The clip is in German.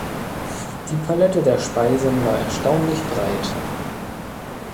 Die Palette der Speisen war erstaunlich breit.